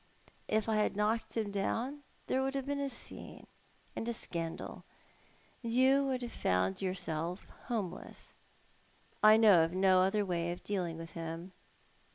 " If I had knocked him down there would have been a scene and a scandal ; and you would have found yourself homeless. I know of no other way of dealing with him."